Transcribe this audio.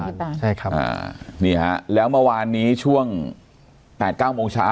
ที่บ้านใช่ครับอ่านี่ฮะแล้วเมื่อวานนี้ช่วงแปดเก้าโมงเช้า